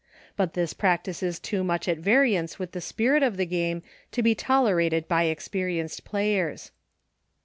But this practice is too much at variance with the spirit of the game to be tolerated by experienced players.